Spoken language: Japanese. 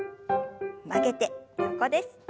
曲げて横です。